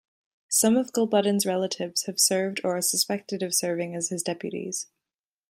Some of Gulbuddin's relatives have served or are suspected of serving as his deputies.